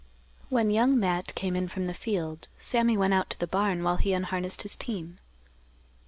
When Young Matt came in from the field, Sammy went out to the barn, while he unharnessed his team.